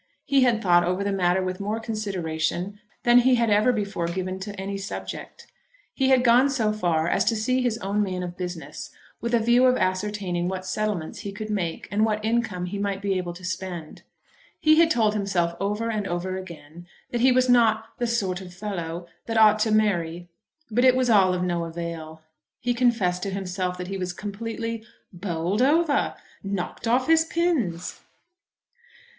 He had thought over the matter with more consideration than he had ever before given to any subject. He had gone so far as to see his own man of business, with a view of ascertaining what settlements he could make and what income he might be able to spend. He had told himself over and over again that he was not the "sort of fellow" that ought to marry; but it was all of no avail. He confessed to himself that he was completely "bowled over," "knocked off his pins!"